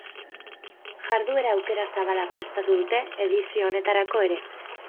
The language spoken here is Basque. Jarduera aukera zabala prestatu dute edizio honetarako ere.